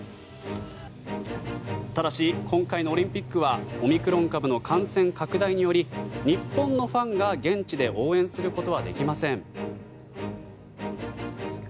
ただし、今回のオリンピックはオミクロン株の感染拡大により日本のファンが現地で応援することはできません。